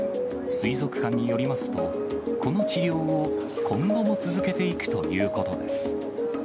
水族館によりますと、この治療を今後も続けていくということです。